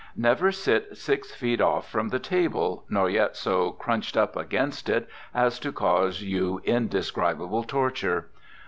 Never sit six feet off from the table, nor yet so crunched up against it as to cause you indescribable torture.